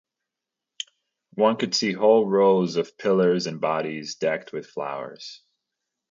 One could see whole rows of pillars and bodies decked with flowers.